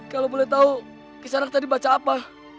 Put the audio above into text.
kalau boleh tahu kisah anak tadi baca apa